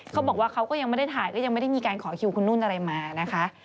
เขาก็ยังไม่ได้ถ่ายก็ยังไม่ได้มีการขอคิวคุณนุ่นอะไรมานะคะ